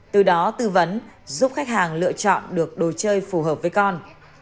từ đó tư vấn giúp khách hàng lựa chọn được đồ chơi phù hợp với con